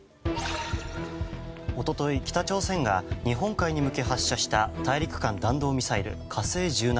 一昨日、北朝鮮が日本海に向け発射した大陸間弾道ミサイル「火星１７」。